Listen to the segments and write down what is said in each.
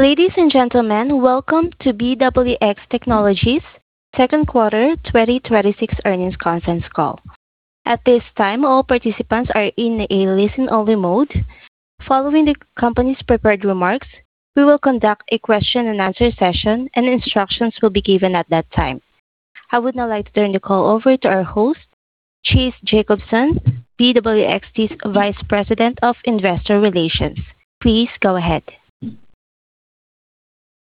Ladies and gentlemen, welcome to BWX Technologies' second quarter 2026 earnings consensus call. At this time, all participants are in a listen-only mode. Following the company's prepared remarks, we will conduct a question and answer session and instructions will be given at that time. I would now like to turn the call over to our host, Chase Jacobson, BWXT's Vice President of Investor Relations. Please go ahead.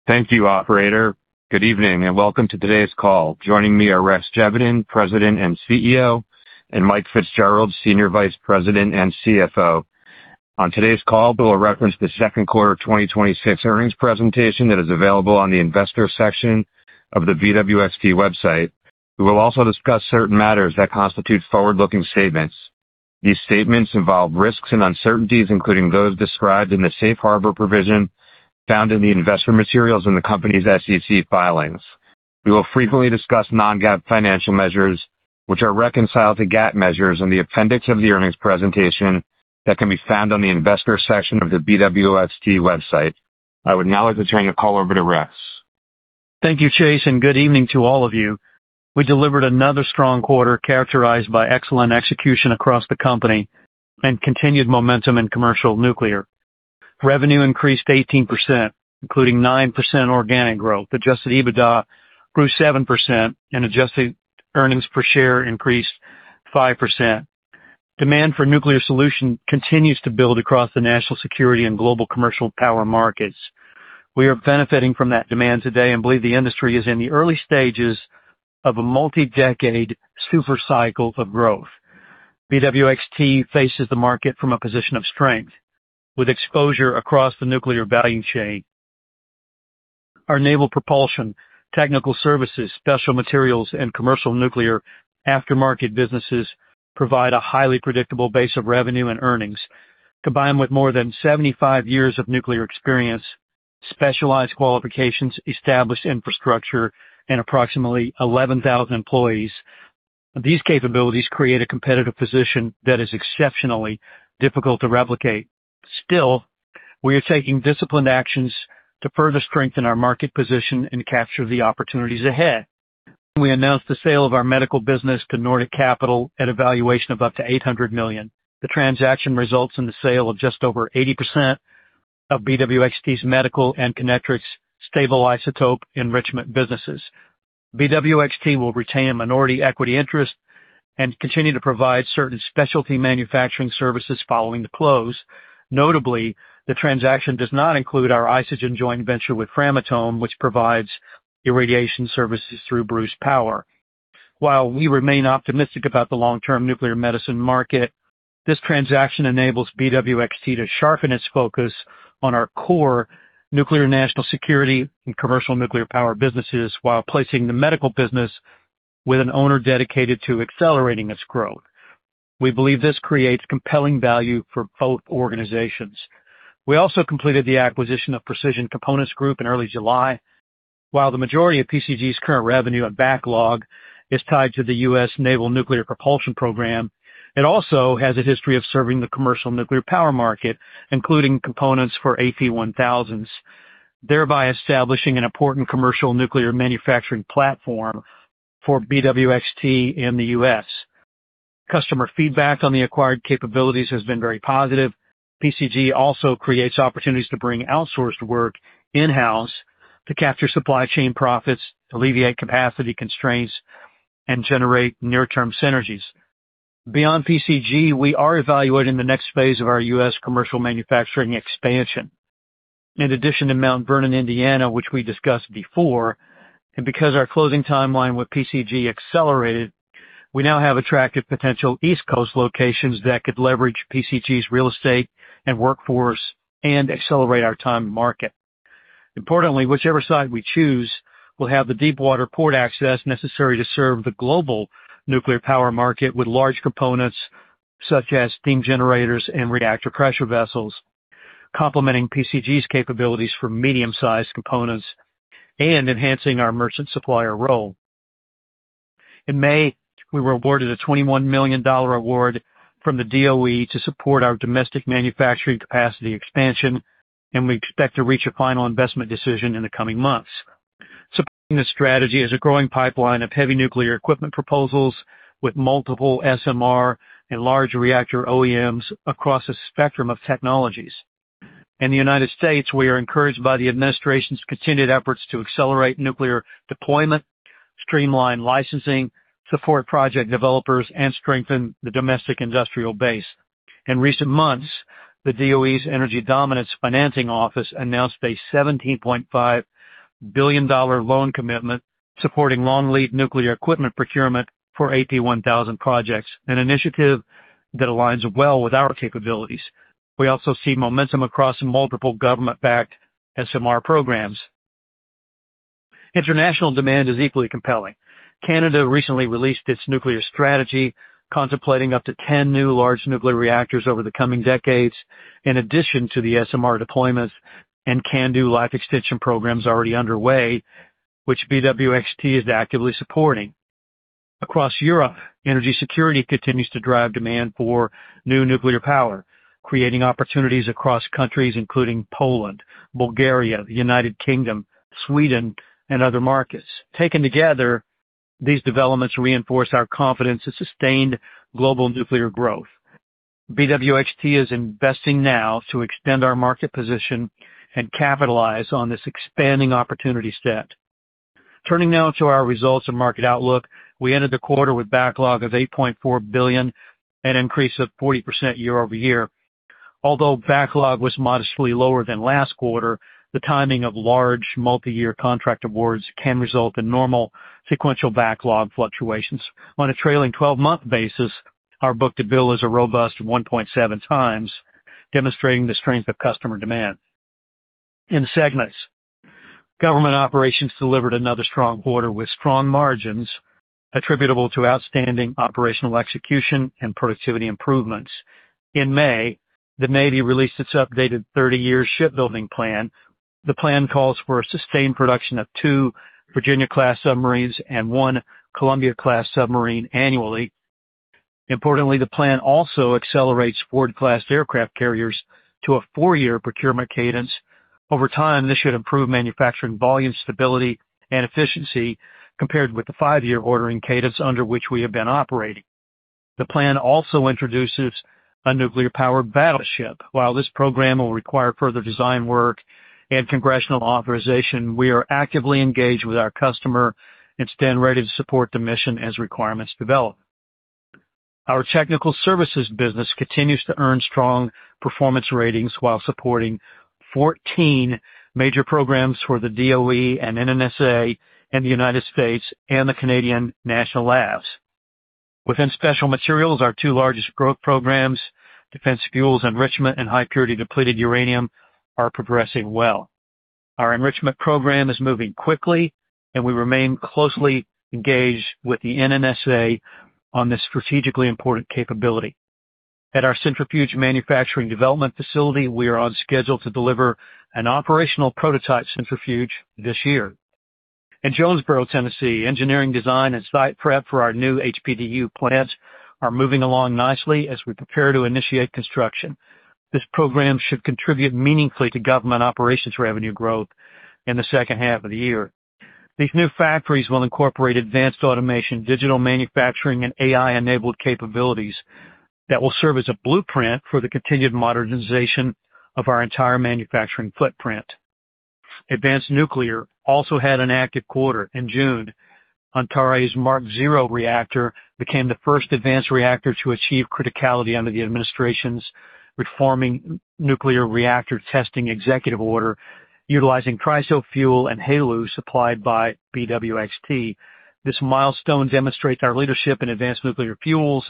Thank you, operator. Good evening. Welcome to today's call. Joining me are Rex Geveden, President and CEO, and Mike Fitzgerald, Senior Vice President and CFO. On today's call, we'll reference the second quarter 2026 earnings presentation that is available on the investor section of the BWXT website. We will also discuss certain matters that constitute forward-looking statements. These statements involve risks and uncertainties, including those described in the safe harbor provision found in the investor materials in the company's SEC filings. We will frequently discuss non-GAAP financial measures, which are reconciled to GAAP measures in the appendix of the earnings presentation that can be found on the investor section of the BWXT website. I would now like to turn the call over to Rex. Thank you, Chase. Good evening to all of you. We delivered another strong quarter characterized by excellent execution across the company and continued momentum in commercial nuclear. Revenue increased 18%, including 9% organic growth. Adjusted EBITDA grew 7%, and adjusted earnings per share increased 5%. Demand for nuclear solution continues to build across the national security and global commercial power markets. We are benefiting from that demand today and believe the industry is in the early stages of a multi-decade super cycle of growth. BWXT faces the market from a position of strength, with exposure across the nuclear value chain. Our naval propulsion, technical services, special materials, and commercial nuclear aftermarket businesses provide a highly predictable base of revenue and earnings. Combined with more than 75 years of nuclear experience, specialized qualifications, established infrastructure, and approximately 11,000 employees, these capabilities create a competitive position that is exceptionally difficult to replicate. Still, we are taking disciplined actions to further strengthen our market position and capture the opportunities ahead. We announced the sale of our medical business to Nordic Capital at a valuation of up to $800 million. The transaction results in the sale of just over 80% of BWXT's medical and Kinectrics stable isotope enrichment businesses. BWXT will retain a minority equity interest and continue to provide certain specialty manufacturing services following the close. Notably, the transaction does not include our Isogen joint venture with Framatome, which provides irradiation services through Bruce Power. While we remain optimistic about the long-term nuclear medicine market, this transaction enables BWXT to sharpen its focus on our core nuclear national security and commercial nuclear power businesses while placing the medical business with an owner dedicated to accelerating its growth. We believe this creates compelling value for both organizations. We also completed the acquisition of Precision Components Group in early July. While the majority of PCG's current revenue and backlog is tied to the U.S. Naval Nuclear Propulsion Program, it also has a history of serving the commercial nuclear power market, including components for AP1000s, thereby establishing an important commercial nuclear manufacturing platform for BWXT in the U.S. Customer feedback on the acquired capabilities has been very positive. PCG also creates opportunities to bring outsourced work in-house to capture supply chain profits, alleviate capacity constraints, and generate near-term synergies. Beyond PCG, we are evaluating the next phase of our U.S. commercial manufacturing expansion. In addition to Mount Vernon, Indiana, which we discussed before, because our closing timeline with PCG accelerated, we now have attractive potential East Coast locations that could leverage PCG's real estate and workforce and accelerate our time to market. Importantly, whichever side we choose will have the deep water port access necessary to serve the global nuclear power market with large components such as steam generators and Reactor Pressure Vessels, complementing PCG's capabilities for medium-sized components and enhancing our merchant supplier role. In May, we were awarded a $21 million award from the DOE to support our domestic manufacturing capacity expansion, we expect to reach a final investment decision in the coming months. Supporting this strategy is a growing pipeline of heavy nuclear equipment proposals with multiple SMR and large reactor OEMs across a spectrum of technologies. In the United States, we are encouraged by the administration's continued efforts to accelerate nuclear deployment, streamline licensing, support project developers, and strengthen the domestic industrial base. In recent months, the DOE's Energy Dominance Financing Office announced a $17.5 billion loan commitment supporting long lead nuclear equipment procurement for AP1000 projects, an initiative that aligns well with our capabilities. We also see momentum across multiple government-backed SMR programs. International demand is equally compelling. Canada recently released its nuclear strategy, contemplating up to 10 new large nuclear reactors over the coming decades, in addition to the SMR deployments and CANDU life extension programs already underway, which BWXT is actively supporting. Across Europe, energy security continues to drive demand for new nuclear power, creating opportunities across countries including Poland, Bulgaria, the United Kingdom, Sweden, and other markets. Taken together, these developments reinforce our confidence in sustained global nuclear growth. BWXT is investing now to extend our market position and capitalize on this expanding opportunity set. Turning now to our results and market outlook. We ended the quarter with backlog of $8.4 billion, an increase of 40% year-over-year. Although backlog was modestly lower than last quarter, the timing of large multi-year contract awards can result in normal sequential backlog fluctuations. On a trailing 12-month basis, our book-to-bill is a robust 1.7x, demonstrating the strength of customer demand. In segments, government operations delivered another strong quarter with strong margins attributable to outstanding operational execution and productivity improvements. In May, the Navy released its updated 30-year shipbuilding plan. The plan calls for a sustained production of two Virginia-class submarines and one Columbia-class submarine annually. Importantly, the plan also accelerates Ford-class aircraft carriers to a four-year procurement cadence. Over time, this should improve manufacturing volume stability and efficiency compared with the five-year ordering cadence under which we have been operating. The plan also introduces a nuclear power battleship. While this program will require further design work and congressional authorization, we are actively engaged with our customer and stand ready to support the mission as requirements develop. Our technical services business continues to earn strong performance ratings while supporting 14 major programs for the DOE and NNSA in the U.S. and the Canadian National Labs. Within special materials, our two largest growth programs, Defense Fuels Enrichment and High Purity Depleted Uranium, are progressing well. Our enrichment program is moving quickly, we remain closely engaged with the NNSA on this strategically important capability. At our centrifuge manufacturing development facility, we are on schedule to deliver an operational prototype centrifuge this year. In Jonesborough, Tennessee, engineering design and site prep for our new HPDU plants are moving along nicely as we prepare to initiate construction. This program should contribute meaningfully to government operations revenue growth in the second half of the year. These new factories will incorporate advanced automation, digital manufacturing, and AI-enabled capabilities that will serve as a blueprint for the continued modernization of our entire manufacturing footprint. Advanced Nuclear also had an active quarter. In June, Antares Mark-0 reactor became the first advanced reactor to achieve criticality under the administration's reforming nuclear reactor testing executive order, utilizing TRISO fuel and HALEU supplied by BWXT. This milestone demonstrates our leadership in advanced nuclear fuels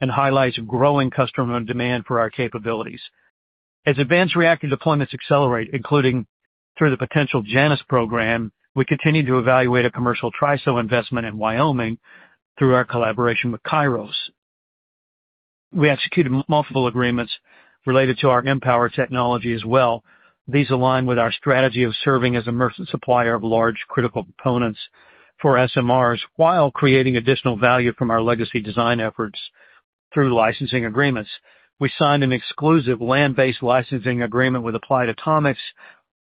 and highlights growing customer demand for our capabilities. As advanced reactor deployments accelerate, including through the potential Janus program, we continue to evaluate a commercial TRISO investment in Wyoming through our collaboration with Kairos. We executed multiple agreements related to our mPower technology as well. These align with our strategy of serving as a merchant supplier of large critical components for SMRs, while creating additional value from our legacy design efforts through licensing agreements. We signed an exclusive land-based licensing agreement with Applied Atomics,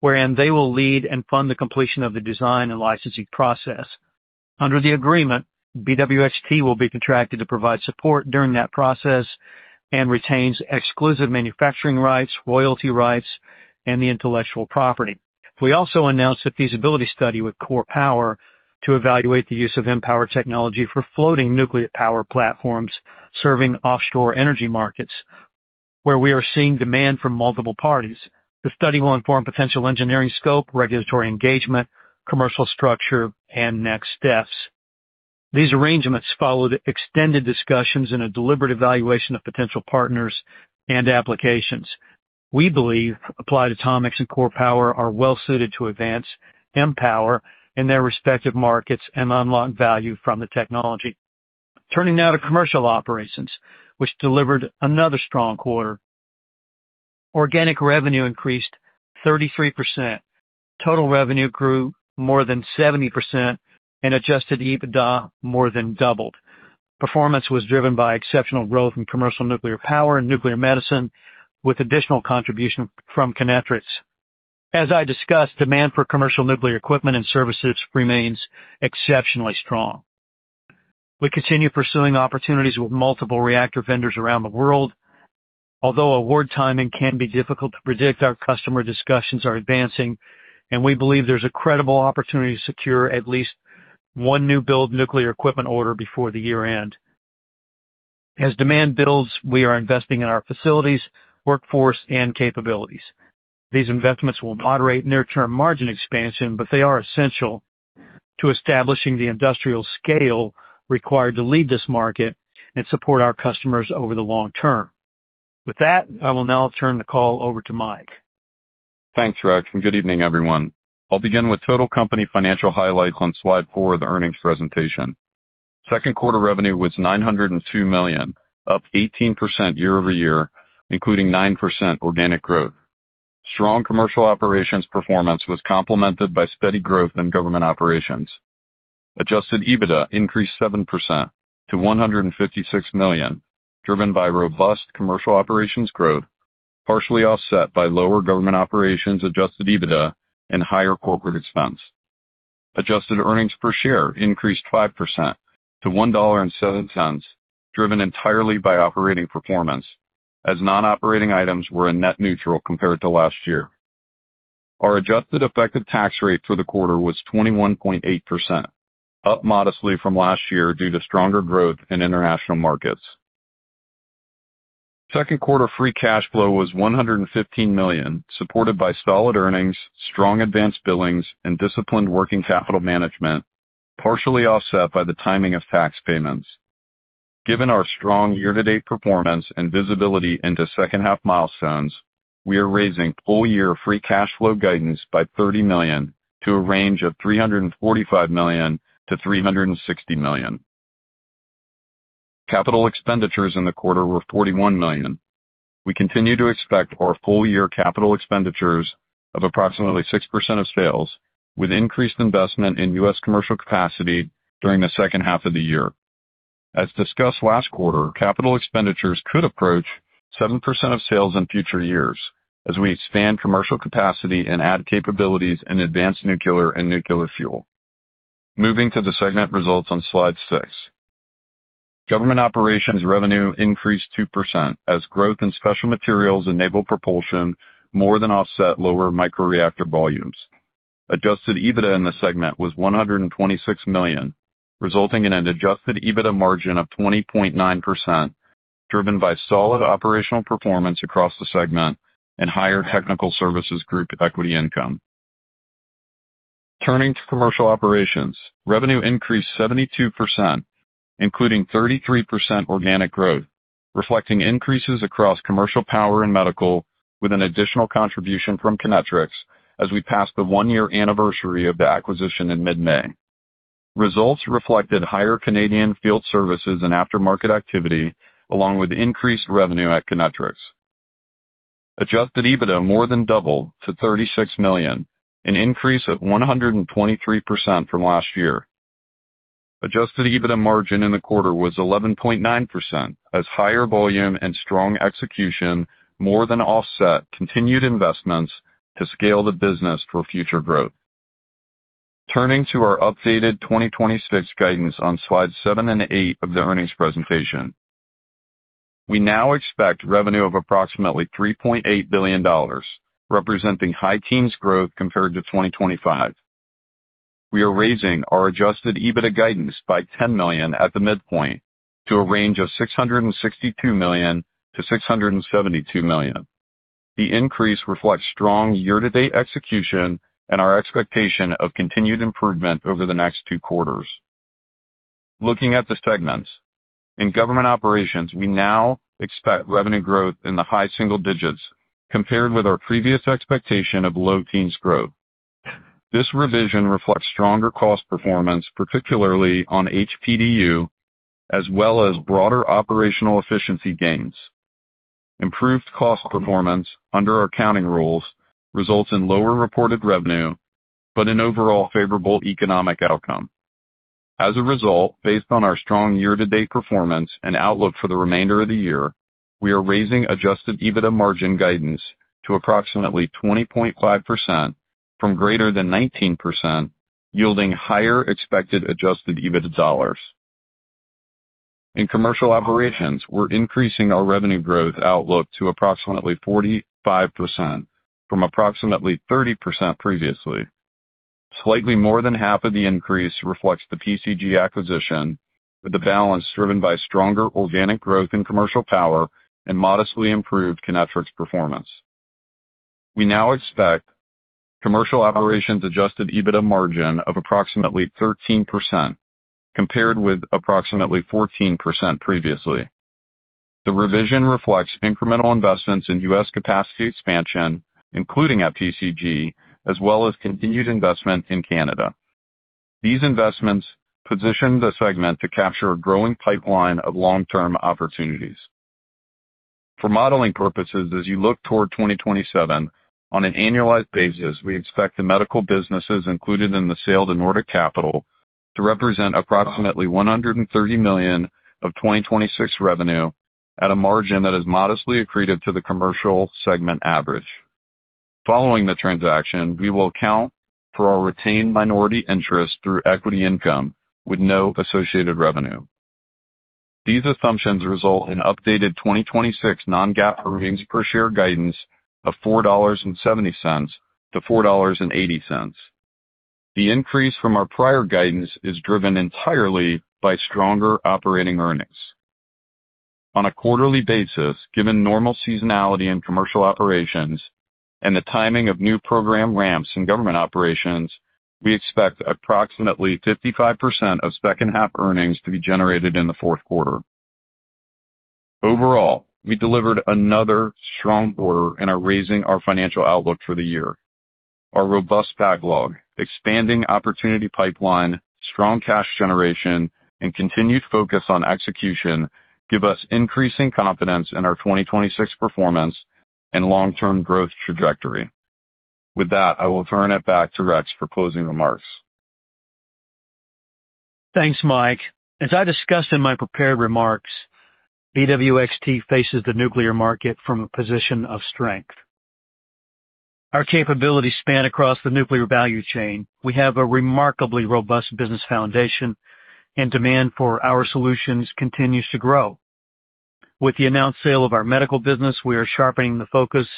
wherein they will lead and fund the completion of the design and licensing process. Under the agreement, BWXT will be contracted to provide support during that process and retains exclusive manufacturing rights, royalty rights, and the intellectual property. We also announced a feasibility study with Core Power to evaluate the use of mPower technology for floating nuclear power platforms serving offshore energy markets, where we are seeing demand from multiple parties. The study will inform potential engineering scope, regulatory engagement, commercial structure, and next steps. These arrangements followed extended discussions and a deliberate evaluation of potential partners and applications. We believe Applied Atomics and Core Power are well suited to advance mPower in their respective markets and unlock value from the technology. Turning now to Commercial Operations, which delivered another strong quarter. Organic revenue increased 33%. Total revenue grew more than 70%, and adjusted EBITDA more than doubled. Performance was driven by exceptional growth in commercial nuclear power and nuclear medicine, with additional contribution from Kinectrics. As I discussed, demand for commercial nuclear equipment and services remains exceptionally strong. We continue pursuing opportunities with multiple reactor vendors around the world. Although award timing can be difficult to predict, our customer discussions are advancing, and we believe there's a credible opportunity to secure at least one new build nuclear equipment order before the year-end. As demand builds, we are investing in our facilities, workforce, and capabilities. These investments will moderate near-term margin expansion, but they are essential to establishing the industrial scale required to lead this market and support our customers over the long term. With that, I will now turn the call over to Mike. Thanks, Rex, and good evening, everyone. I'll begin with total company financial highlights on slide four of the earnings presentation. Second quarter revenue was $902 million, up 18% year-over-year, including 9% organic growth. Strong commercial operations performance was complemented by steady growth in government operations. Adjusted EBITDA increased 7% to $156 million, driven by robust commercial operations growth, partially offset by lower government operations adjusted EBITDA and higher corporate expense. Adjusted earnings per share increased 5% to $1.7, driven entirely by operating performance, as non-operating items were a net neutral compared to last year. Our adjusted effective tax rate for the quarter was 21.8%, up modestly from last year due to stronger growth in international markets. Second quarter free cash flow was $115 million, supported by solid earnings, strong advanced billings, and disciplined working capital management, partially offset by the timing of tax payments. Given our strong year-to-date performance and visibility into second-half milestones, we are raising full-year free cash flow guidance by $30 million to a range of $345 million-$360 million. Capital expenditures in the quarter were $41 million. We continue to expect our full-year capital expenditures of approximately 6% of sales, with increased investment in U.S. commercial capacity during the second half of the year. As discussed last quarter, capital expenditures could approach 7% of sales in future years as we expand commercial capacity and add capabilities in advanced nuclear and nuclear fuel. Moving to the segment results on slide six. Government operations revenue increased 2% as growth in special materials enabled propulsion more than offset lower microreactor volumes. Adjusted EBITDA in the segment was $126 million, resulting in an adjusted EBITDA margin of 20.9%, driven by solid operational performance across the segment and higher technical services group equity income. Turning to commercial operations, revenue increased 72%, including 33% organic growth, reflecting increases across commercial power and medical with an additional contribution from Kinectrics as we passed the one-year anniversary of the acquisition in mid-May. Results reflected higher Canadian field services and aftermarket activity, along with increased revenue at Kinectrics. Adjusted EBITDA more than doubled to $36 million, an increase of 123% from last year. Adjusted EBITDA margin in the quarter was 11.9% as higher volume and strong execution more than offset continued investments to scale the business for future growth. Turning to our updated 2026 guidance on slide seven and eight of the earnings presentation. We now expect revenue of approximately $3.8 billion, representing high teens growth compared to 2025. We are raising our adjusted EBITDA guidance by $10 million at the midpoint to a range of $662 million-$672 million. The increase reflects strong year-to-date execution and our expectation of continued improvement over the next two quarters. Looking at the segments. In Government Operations, we now expect revenue growth in the high single digits compared with our previous expectation of low teens growth. This revision reflects stronger cost performance, particularly on HPDU, as well as broader operational efficiency gains. Improved cost performance under our accounting rules results in lower reported revenue, but an overall favorable economic outcome. As a result, based on our strong year-to-date performance and outlook for the remainder of the year, we are raising adjusted EBITDA margin guidance to approximately 20.5% from greater than 19%, yielding higher expected adjusted EBITDA dollars. In Commercial Operations, we're increasing our revenue growth outlook to approximately 45% from approximately 30% previously. Slightly more than half of the increase reflects the PCG acquisition, with the balance driven by stronger organic growth in commercial power and modestly improved Kinectrics performance. We now expect Commercial Operations adjusted EBITDA margin of approximately 13%, compared with approximately 14% previously. The revision reflects incremental investments in U.S. capacity expansion, including at PCG, as well as continued investment in Canada. These investments position the segment to capture a growing pipeline of long-term opportunities. For modeling purposes, as you look toward 2027, on an annualized basis, we expect the medical businesses included in the sale to Nordic Capital to represent approximately $130 million of 2026 revenue at a margin that is modestly accretive to the Commercial segment average. Following the transaction, we will account for our retained minority interest through equity income with no associated revenue. These assumptions result in updated 2026 non-GAAP earnings per share guidance of $4.70-$4.80. The increase from our prior guidance is driven entirely by stronger operating earnings. On a quarterly basis, given normal seasonality in Commercial Operations and the timing of new program ramps in Government Operations, we expect approximately 55% of second half earnings to be generated in the fourth quarter. Overall, we delivered another strong quarter and are raising our financial outlook for the year. Our robust backlog, expanding opportunity pipeline, strong cash generation, and continued focus on execution give us increasing confidence in our 2026 performance and long-term growth trajectory. With that, I will turn it back to Rex for closing remarks. Thanks, Mike. As I discussed in my prepared remarks, BWXT faces the nuclear market from a position of strength. Our capabilities span across the nuclear value chain. We have a remarkably robust business foundation, and demand for our solutions continues to grow. With the announced sale of our medical business, we are sharpening the focus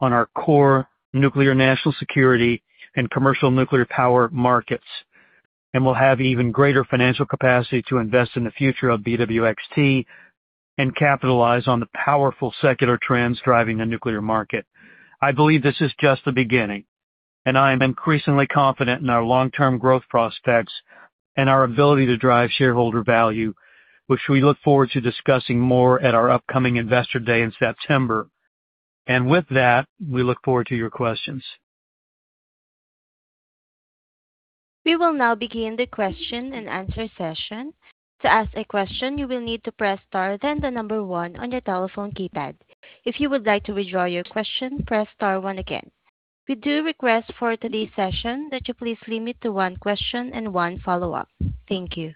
on our core nuclear National Security and Commercial Nuclear Power Markets, and will have even greater financial capacity to invest in the future of BWXT and capitalize on the powerful secular trends driving the nuclear market. I believe this is just the beginning, and I am increasingly confident in our long-term growth prospects and our ability to drive shareholder value, which we look forward to discussing more at our upcoming Investor Day in September. With that, we look forward to your questions. We will now begin the question and answer session. To ask a question, you will need to press star then the number one on your telephone keypad. If you would like to withdraw your question, press star one again. We do request for today's session that you please limit to one question and one follow-up. Thank you.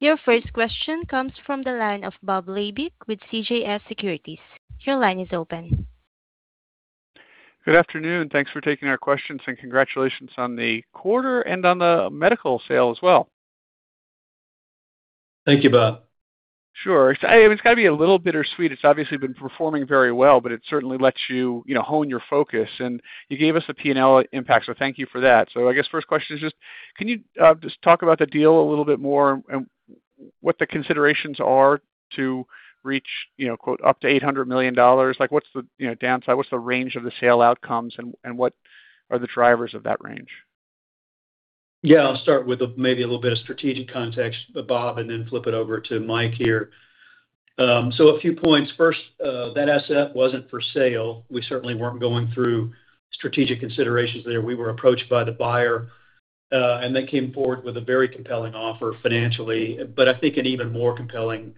Your first question comes from the line of Bob Labick with CJS Securities. Your line is open. Good afternoon. Thanks for taking our questions, and congratulations on the quarter and on the medical sale as well. Thank you, Bob. Sure. It's got to be a little bittersweet. It's obviously been performing very well, but it certainly lets you hone your focus. You gave us the P&L impact, so thank you for that. I guess first question is just, can you just talk about the deal a little bit more and what the considerations are to reach "up to $800 million"? What's the downside? What's the range of the sale outcomes, and what are the drivers of that range? Yeah, I'll start with maybe a little bit of strategic context, Bob, and then flip it over to Mike here. A few points. First, that asset wasn't for sale. We certainly weren't going through strategic considerations there. We were approached by the buyer, and they came forward with a very compelling offer financially, but I think an even more compelling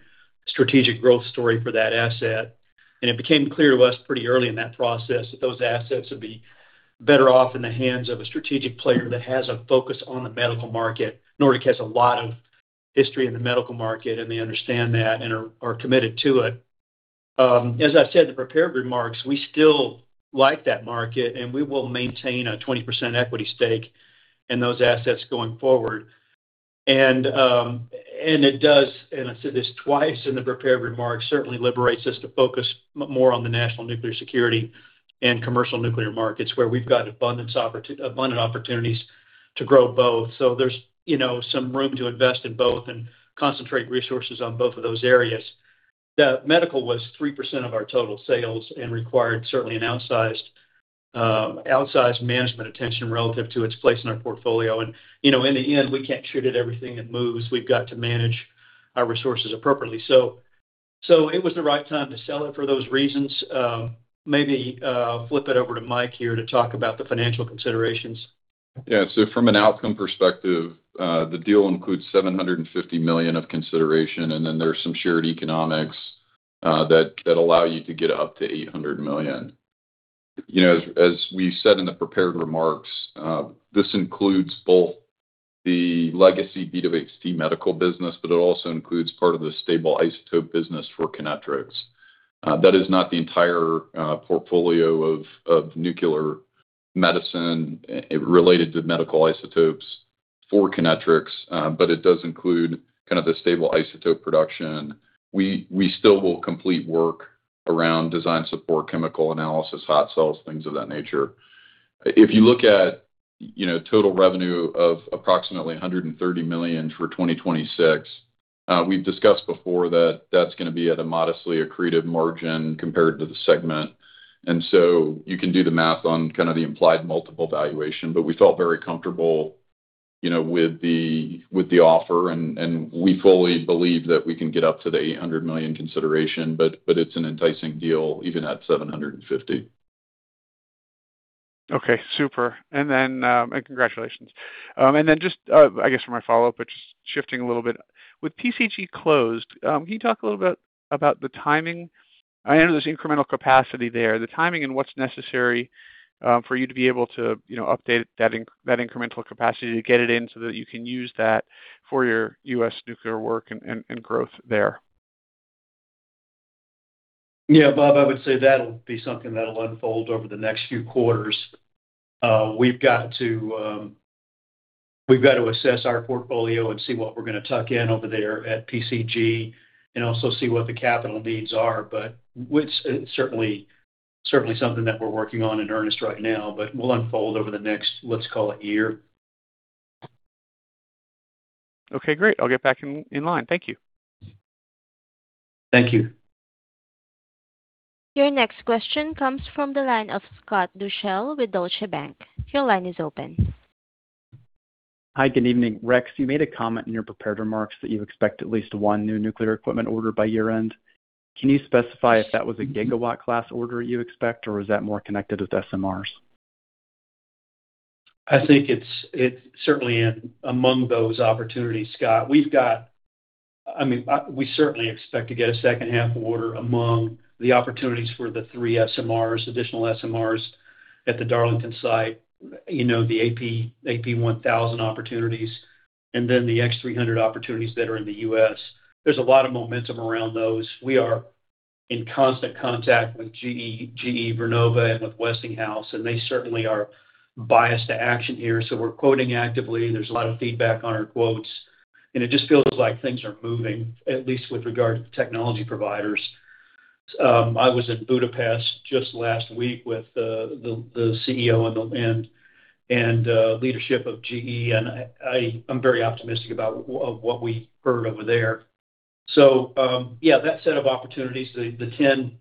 strategic growth story for that asset. It became clear to us pretty early in that process that those assets would be better off in the hands of a strategic player that has a focus on the medical market. Nordic has a lot of history in the medical market, and they understand that and are committed to it. As I said in the prepared remarks, we still like that market, and we will maintain a 20% equity stake in those assets going forward. It does, and I said this twice in the prepared remarks, certainly liberates us to focus more on the National Nuclear Security and commercial nuclear markets, where we've got abundant opportunities to grow both. There's some room to invest in both and concentrate resources on both of those areas. The medical was 3% of our total sales and required certainly an outsized management attention relative to its place in our portfolio. In the end, we can't shoot at everything that moves. We've got to manage our resources appropriately. It was the right time to sell it for those reasons. Maybe I'll flip it over to Mike here to talk about the financial considerations. From an outcome perspective, the deal includes $750 million of consideration, and then there's some shared economics that allow you to get up to $800 million. As we said in the prepared remarks, this includes both the legacy BWXT medical business, but it also includes part of the stable isotope business for Kinectrics. That is not the entire portfolio of nuclear medicine related to medical isotopes for Kinectrics, but it does include kind of the stable isotope production. We still will complete work around design support, chemical analysis, hot cells, things of that nature. If you look at total revenue of approximately $130 million for 2026, we've discussed before that that's going to be at a modestly accretive margin compared to the segment. You can do the math on kind of the implied multiple valuation. We felt very comfortable with the offer, and we fully believe that we can get up to the $800 million consideration. It's an enticing deal even at $750. Okay, super. Congratulations. Just, I guess, for my follow-up, just shifting a little bit. With PCG closed, can you talk a little bit about the timing? I know there's incremental capacity there. The timing and what's necessary for you to be able to update that incremental capacity to get it in so that you can use that for your U.S. nuclear work and growth there. Yeah, Bob, I would say that'll be something that'll unfold over the next few quarters. We've got to assess our portfolio and see what we're going to tuck in over there at PCG and also see what the capital needs are. It's certainly something that we're working on in earnest right now. Will unfold over the next, let's call it year. Okay, great. I'll get back in line. Thank you. Thank you. Your next question comes from the line of Scott Deuschle with Deutsche Bank. Your line is open Hi, good evening. Rex, you made a comment in your prepared remarks that you expect at least one new nuclear equipment order by year-end. Can you specify if that was a gigawatt class order you expect, or is that more connected with SMRs? I think it's certainly in among those opportunities, Scott. We certainly expect to get a second half order among the opportunities for the three SMRs, additional SMRs at the Darlington site, the AP1000 opportunities, and the X-300 opportunities that are in the U.S. There's a lot of momentum around those. We are in constant contact with GE Vernova and with Westinghouse, and they certainly are biased to action here. We're quoting actively, there's a lot of feedback on our quotes, and it just feels like things are moving, at least with regard to technology providers. I was in Budapest just last week with the CEO and the leadership of GE, and I'm very optimistic about what we heard over there. Yeah, that set of opportunities, the 10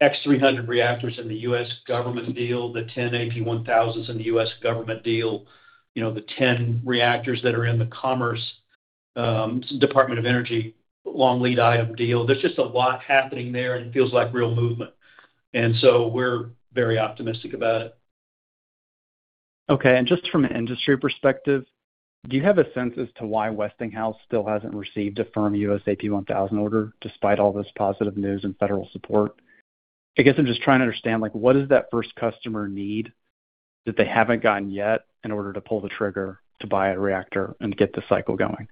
X-300 reactors in the U.S. government deal, the 10 AP1000s in the U.S. government deal, the 10 reactors that are in the Commerce Department of Energy long lead item deal. There's just a lot happening there, and it feels like real movement. We're very optimistic about it. Okay. Just from an industry perspective, do you have a sense as to why Westinghouse still hasn't received a firm U.S. AP1000 order despite all this positive news and federal support? I guess I'm just trying to understand, what does that first customer need that they haven't gotten yet in order to pull the trigger to buy a reactor and get the cycle going?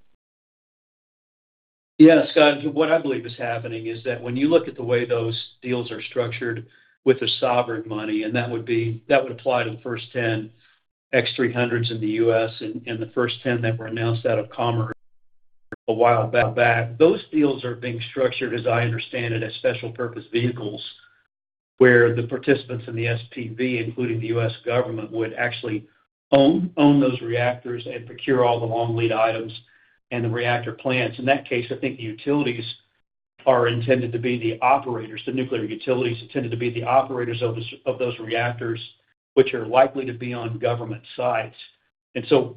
Yeah, Scott, what I believe is happening is that when you look at the way those deals are structured with the sovereign money, that would apply to the first 10 X-300s in the U.S. and the first 10 that were announced out of commerce a while back. Those deals are being structured, as I understand it, as special purpose vehicles, where the participants in the SPV, including the U.S. government, would actually own those reactors and procure all the long lead items and the reactor plants. In that case, I think the utilities are intended to be the operators. The nuclear utilities are intended to be the operators of those reactors, which are likely to be on government sites.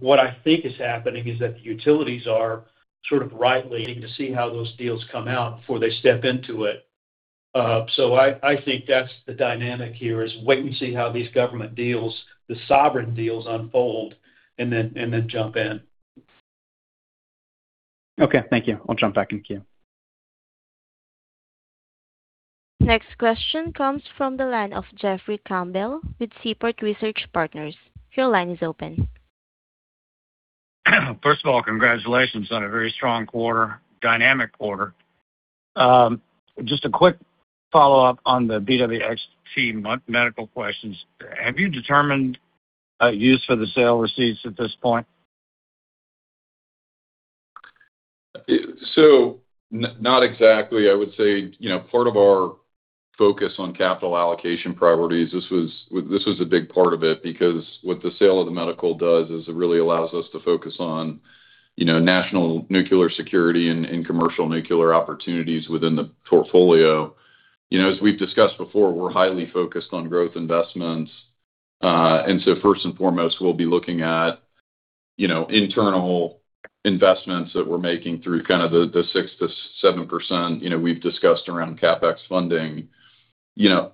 What I think is happening is that the utilities are sort of rightly waiting to see how those deals come out before they step into it. I think that's the dynamic here, is wait and see how these government deals, the sovereign deals, unfold, and then jump in. Okay. Thank you. I'll jump back in the queue. Next question comes from the line of Jeffrey Campbell with Seaport Research Partners. Your line is open. First of all, congratulations on a very strong quarter, dynamic quarter. Just a quick follow-up on the BWXT Medical questions. Have you determined a use for the sale receipts at this point? Not exactly. I would say, part of our focus on capital allocation priorities, this was a big part of it, because what the sale of the medical does is it really allows us to focus on national nuclear security and commercial nuclear opportunities within the portfolio. As we've discussed before, we're highly focused on growth investments. First and foremost, we'll be looking at internal investments that we're making through kind of the 6%-7% we've discussed around CapEx funding.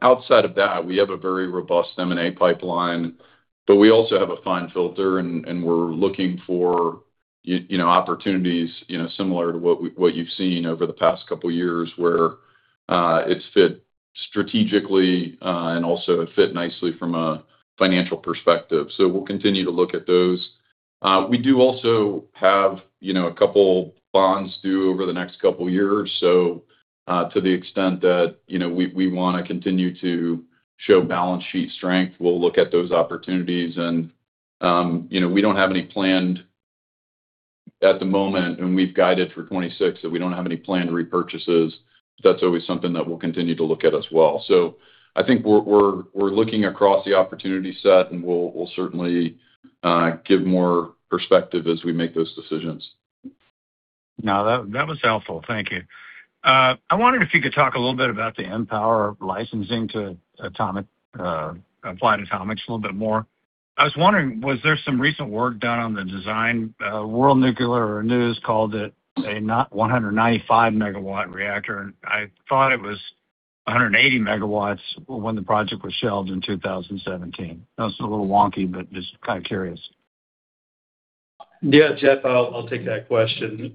Outside of that, we have a very robust M&A pipeline, but we also have a fine filter, and we're looking for opportunities similar to what you've seen over the past couple of years where it's fit strategically and also it fit nicely from a financial perspective. We'll continue to look at those. We do also have a couple bonds due over the next couple of years. To the extent that we want to continue to show balance sheet strength, we'll look at those opportunities. We don't have any planned at the moment, and we've guided for 2026 that we don't have any planned repurchases. That's always something that we'll continue to look at as well. I think we're looking across the opportunity set, and we'll certainly give more perspective as we make those decisions. No, that was helpful. Thank you. I wondered if you could talk a little bit about the mPower licensing to Applied Atomics a little bit more. I was wondering, was there some recent work done on the design? World Nuclear News called it a 195-MW reactor. I thought it was 180 MW when the project was shelved in 2017. I know it's a little wonky, but just kind of curious. Jeff, I'll take that question.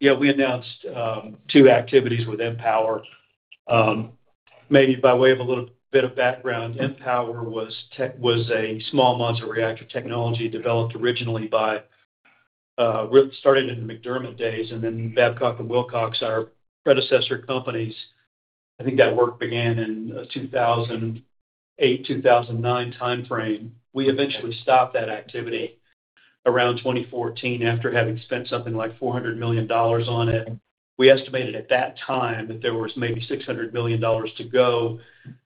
We announced two activities with mPower. Maybe by way of a little bit of background, mPower was a small modular reactor technology developed originally started in the McDermott days and then Babcock & Wilcox, our predecessor companies. I think that work began in the 2008, 2009 timeframe. We eventually stopped that activity around 2014 after having spent something like $400 million on it. We estimated at that time that there was maybe $600 million to go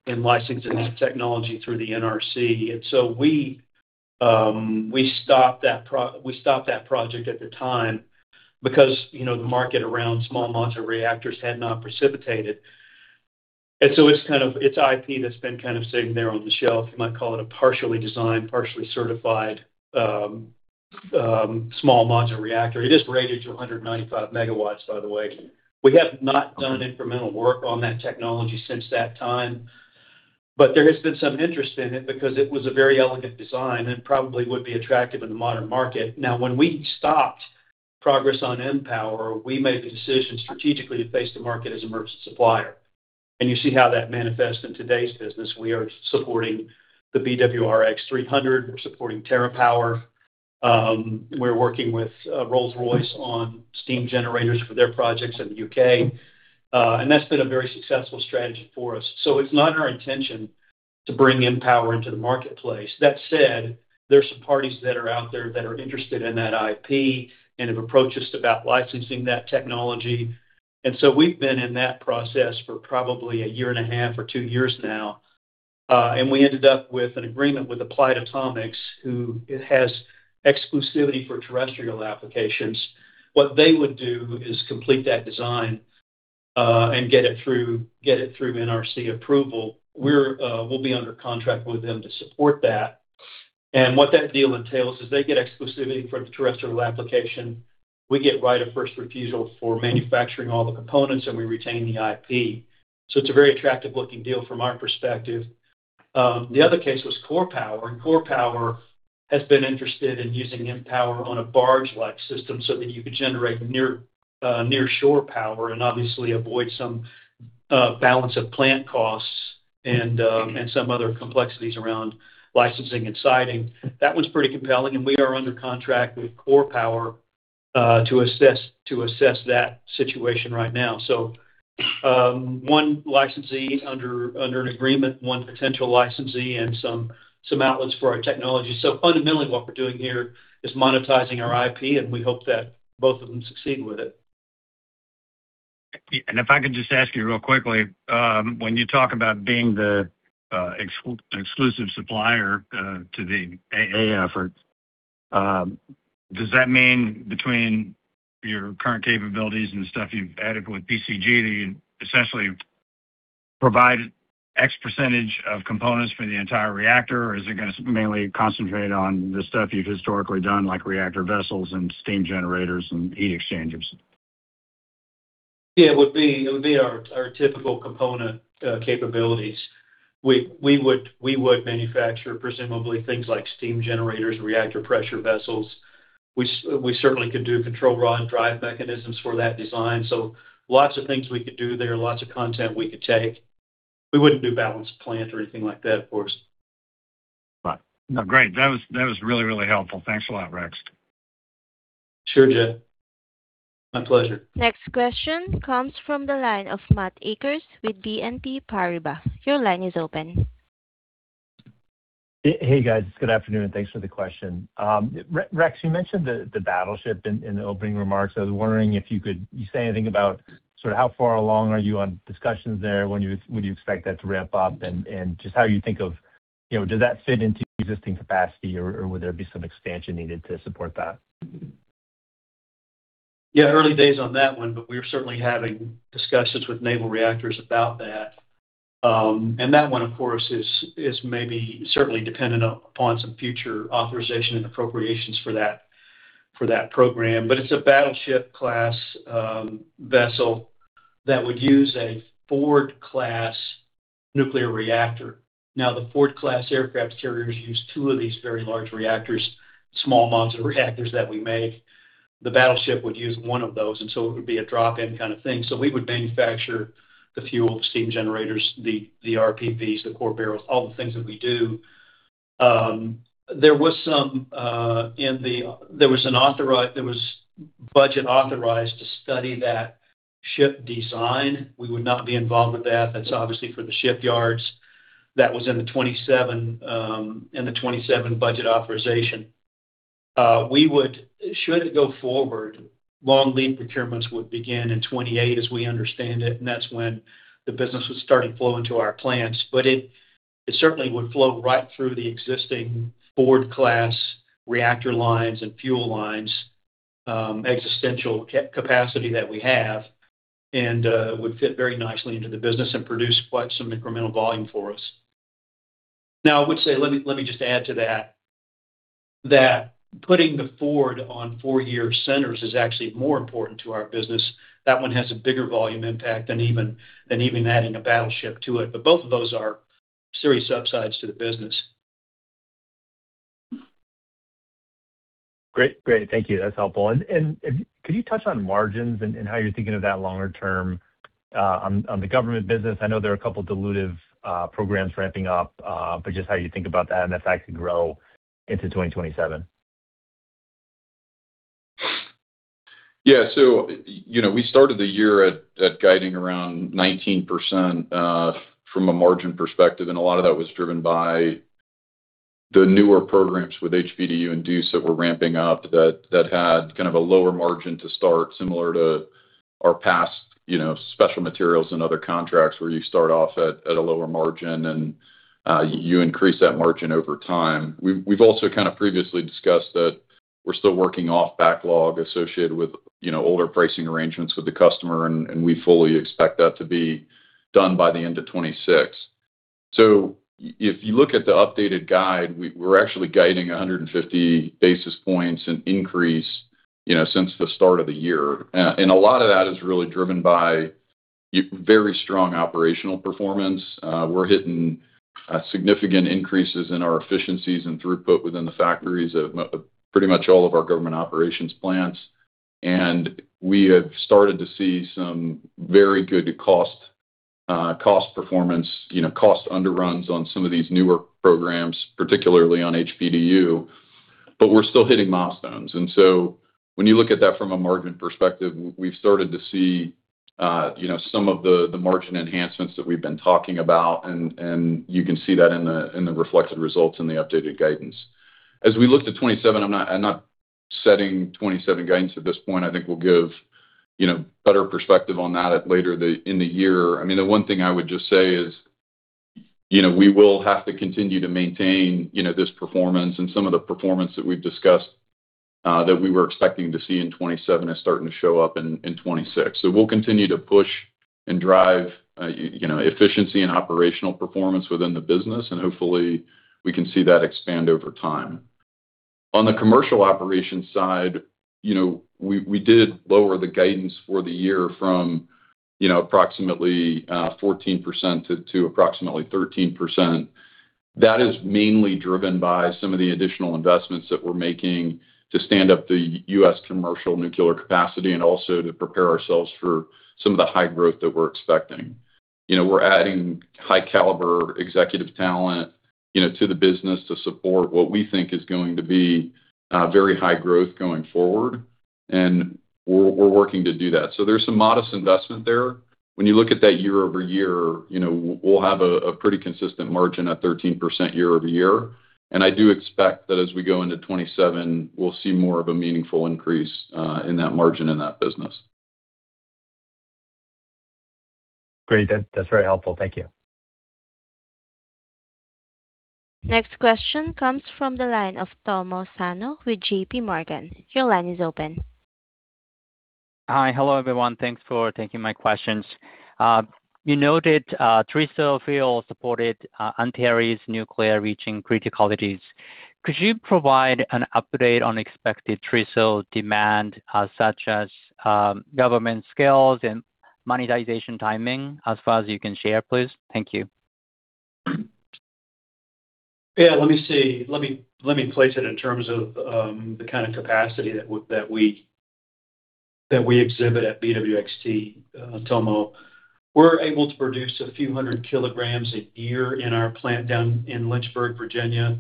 in licensing the technology through the NRC. We stopped that project at the time because the market around small modular reactors had not precipitated. It's IP that's been kind of sitting there on the shelf. You might call it a partially designed, partially certified small modular reactor. It is rated to 195 MW, by the way. We have not done incremental work on that technology since that time, there has been some interest in it because it was a very elegant design and probably would be attractive in the modern market. Now, when we stopped progress on mPower, we made the decision strategically to face the market as a merchant supplier. You see how that manifests in today's business. We are supporting the BWRX-300. We're supporting TerraPower. We're working with Rolls-Royce on steam generators for their projects in the U.K. That's been a very successful strategy for us. It's not our intention to bring mPower into the marketplace. That said, there's some parties that are out there that are interested in that IP and have approached us about licensing that technology. We've been in that process for probably a year and a half or two years now. We ended up with an agreement with Applied Atomics, who has exclusivity for terrestrial applications. What they would do is complete that design, and get it through NRC approval. We'll be under contract with them to support that. What that deal entails is they get exclusivity for terrestrial application. We get right of first refusal for manufacturing all the components, and we retain the IP. It's a very attractive looking deal from our perspective. The other case was Core Power. Core Power has been interested in using mPower on a barge-like system so that you could generate nearshore power obviously avoid some balance of plant costs some other complexities around licensing and siting. That one's pretty compelling. We are under contract with Core Power to assess that situation right now. One licensee under an agreement, one potential licensee, and some outlets for our technology. Fundamentally what we are doing here is monetizing our IP, and we hope that both of them succeed with it. If I could just ask you real quickly, when you talk about being the exclusive supplier to the AAA effort, does that mean between your current capabilities and the stuff you have added with PCG that you essentially provide X% of components for the entire reactor? Or is it going to mainly concentrate on the stuff you have historically done, like reactor vessels and steam generators and heat exchangers? It would be our typical component capabilities. We would manufacture presumably things like steam generators, reactor pressure vessels. We certainly could do control rod drive mechanisms for that design. Lots of things we could do there, lots of content we could take. We would not do balance of plant or anything like that, of course. Right. No, great. That was really, really helpful. Thanks a lot, Rex. Sure, Jeff. My pleasure. Next question comes from the line of Matt Akers with BNP Paribas. Your line is open. Hey, guys. Good afternoon, and thanks for the question. Rex, you mentioned the Battleship in the opening remarks. I was wondering if you could say anything about how far along are you on discussions there? When do you expect that to ramp up? Just how you think of, does that fit into existing capacity, or would there be some expansion needed to support that? Yeah, early days on that one, but we are certainly having discussions with naval reactors about that. That one, of course, is maybe certainly dependent upon some future authorization and appropriations for that program. It's a Battleship class vessel that would use a Ford-class nuclear reactor. The Ford-class aircraft carriers use two of these very large reactors, small modular reactors that we make. The Battleship would use one of those, so it would be a drop-in kind of thing. We would manufacture the fuel steam generators, the RPVs, the core barrels, all the things that we do. There was budget authorized to study that ship design. We would not be involved with that. That's obviously for the shipyards. That was in the 2027 budget authorization. Should it go forward, long lead procurements would begin in 2028, as we understand it, and that's when the business would start flowing to our plants. It certainly would flow right through the existing Ford-class reactor lines and fuel lines existential capacity that we have, and would fit very nicely into the business and produce quite some incremental volume for us. Now, I would say, let me just add to that putting the Ford on four-year centers is actually more important to our business. That one has a bigger volume impact than even adding a battleship to it. Both of those are serious upsides to the business. Great. Thank you. That's helpful. Could you touch on margins and how you're thinking of that longer term on the government business? I know there are a couple of dilutive programs ramping up, but just how you think about that and that's actually grow into 2027. Yeah. We started the year at guiding around 19% from a margin perspective, and a lot of that was driven by the newer programs with HPDU and DUECE that were ramping up that had kind of a lower margin to start, similar to our past special materials and other contracts where you start off at a lower margin and you increase that margin over time. We've also kind of previously discussed that we're still working off backlog associated with older pricing arrangements with the customer, and we fully expect that to be done by the end of 2026. If you look at the updated guide, we're actually guiding 150 basis points an increase since the start of the year. A lot of that is really driven by very strong operational performance. We're hitting significant increases in our efficiencies and throughput within the factories of pretty much all of our government operations plants. We have started to see some very good cost performance, cost underruns on some of these newer programs, particularly on HPDU, but we're still hitting milestones. When you look at that from a margin perspective, we've started to see some of the margin enhancements that we've been talking about, and you can see that in the reflected results in the updated guidance. As we look to 2027, I'm not setting 2027 guidance at this point. I think we'll give better perspective on that at later in the year. I mean, the one thing I would just say is, we will have to continue to maintain this performance, and some of the performance that we've discussed, that we were expecting to see in 2027 is starting to show up in 2026. We'll continue to push and drive efficiency and operational performance within the business, and hopefully we can see that expand over time. On the commercial operations side, we did lower the guidance for the year from approximately 14% to approximately 13%. That is mainly driven by some of the additional investments that we're making to stand up the U.S. commercial nuclear capacity and also to prepare ourselves for some of the high growth that we're expecting. We're adding high caliber executive talent to the business to support what we think is going to be very high growth going forward, and we're working to do that. There's some modest investment there. When you look at that year-over-year, we'll have a pretty consistent margin at 13% year-over-year. I do expect that as we go into 2027, we'll see more of a meaningful increase in that margin in that business. Great. That's very helpful. Thank you. Next question comes from the line of Tomo Sano with JPMorgan. Your line is open. Hi. Hello, everyone. Thanks for taking my questions. You noted TRISO fuel supported Antares Nuclear reaching criticalities. Could you provide an update on expected TRISO demand, such as government scales and monetization timing as far as you can share, please? Thank you. Yeah, let me see. Let me place it in terms of the kind of capacity that we exhibit at BWXT, Tomo. We're able to produce a few hundred kilograms a year in our plant down in Lynchburg, Virginia.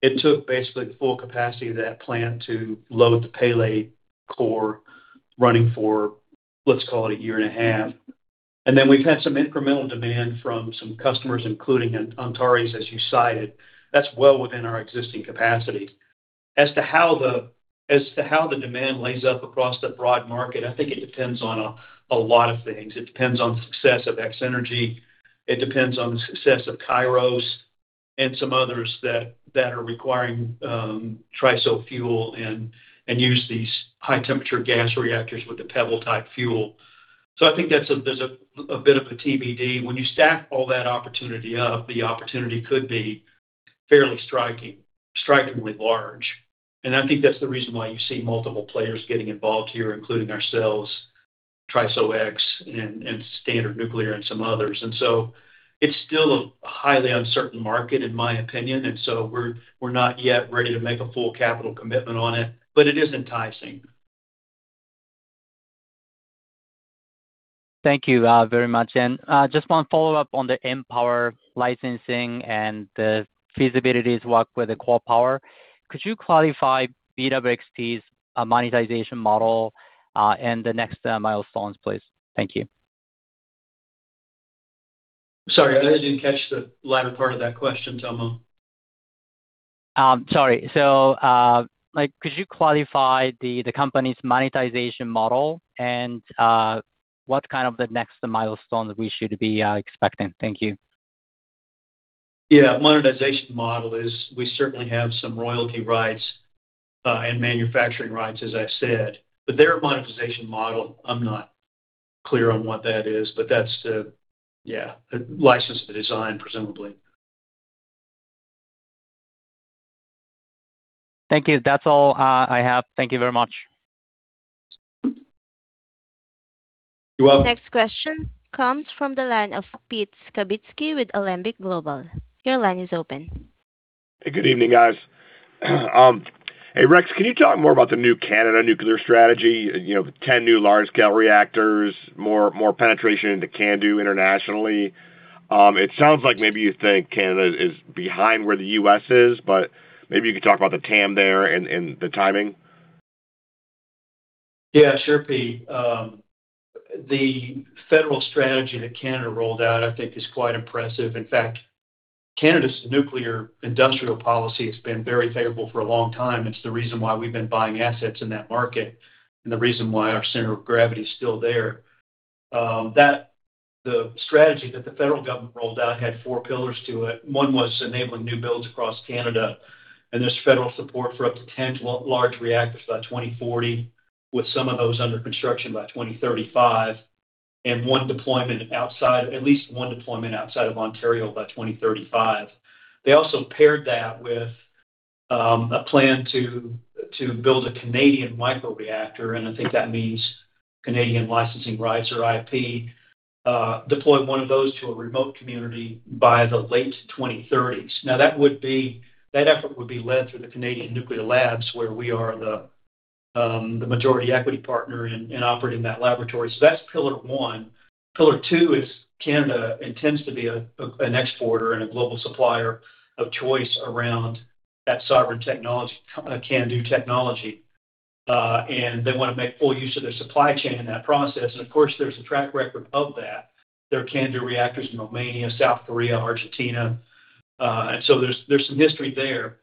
It took basically the full capacity of that plant to load the Pele core running for, let's call it a year and a half. Then we've had some incremental demand from some customers, including Antares, as you cited. That's well within our existing capacity. As to how the demand lays up across the broad market, I think it depends on a lot of things. It depends on success of X-energy. It depends on the success of Kairos and some others that are requiring TRISO fuel and use these high temperature gas reactors with the pebble type fuel. I think there's a bit of a TBD. When you stack all that opportunity up, the opportunity could be fairly strikingly large, and I think that's the reason why you see multiple players getting involved here, including ourselves, TRISO-X, and Standard Nuclear and some others. It's still a highly uncertain market, in my opinion. We're not yet ready to make a full capital commitment on it, but it is enticing. Thank you very much. Just one follow-up on the mPower licensing and the feasibilities work with the Core Power. Could you clarify BWXT's monetization model, and the next milestones, please? Thank you. Sorry, I didn't catch the latter part of that question, Tomo. Sorry. Could you clarify the company's monetization model and what kind of the next milestone we should be expecting? Thank you. Yeah. Monetization model is we certainly have some royalty rights, and manufacturing rights, as I've said, but their monetization model, I'm not clear on what that is, but that's the license to design, presumably. Thank you. That's all I have. Thank you very much. You're welcome. Next question comes from the line of Pete Skibitski with Alembic Global. Your line is open. Good evening, guys. Hey, Rex, can you talk more about the new Canada nuclear strategy? 10 new large-scale reactors, more penetration into CANDU internationally. It sounds like maybe you think Canada is behind where the U.S. is, but maybe you could talk about the TAM there and the timing. Yeah, sure, Pete. The federal strategy that Canada rolled out, I think is quite impressive. In fact, Canada's nuclear industrial policy has been very favorable for a long time. It's the reason why we've been buying assets in that market and the reason why our center of gravity is still there. The strategy that the federal government rolled out had four pillars to it. One was enabling new builds across Canada, there's federal support for up to 10 large reactors by 2040. With some of those under construction by 2035 and at least one deployment outside of Ontario by 2035. They also paired that with a plan to build a Canadian microreactor, I think that means Canadian licensing rights or IP, deploy one of those to a remote community by the late 2030s. That effort would be led through the Canadian Nuclear Laboratories, where we are the majority equity partner and operate in that laboratory. That's pillar one. Pillar two is Canada intends to be an exporter and a global supplier of choice around that sovereign technology, CANDU technology. They want to make full use of their supply chain in that process. Of course, there's a track record of that. There are CANDU reactors in Romania, South Korea, Argentina. There's some history there